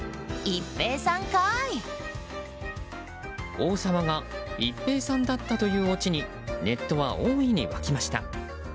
王様が一平さんだったというオチにネットは大いに沸きました。